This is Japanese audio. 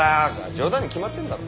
冗談に決まってんだろ。